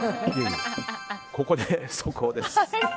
ここで速報です。